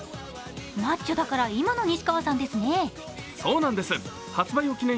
マッチョだから今の西川さんですね。